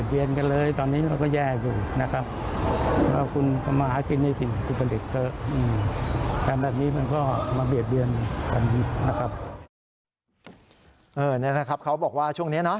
เหรอนะครับเขาบอกว่าช่วงนี้นะ